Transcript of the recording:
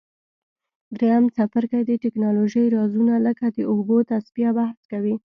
دریم څپرکی د تکنالوژۍ رازونه لکه د اوبو تصفیه بحث کوي.